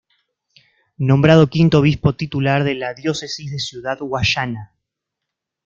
Nombrado V Obispo titular de la Diócesis de Ciudad Guayana.